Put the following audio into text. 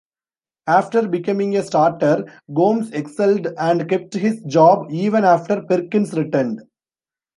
After becoming a starter, Gomes excelled, and kept his job even after Perkins returned.